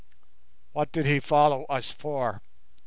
"What did he follow us for?"